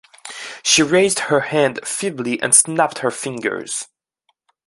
She raised her hand feebly and snapped her fingers.